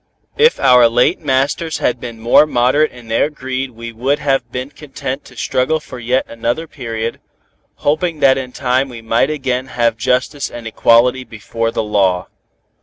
If our late masters had been more moderate in their greed we would have been content to struggle for yet another period, hoping that in time we might again have justice and equality before the law.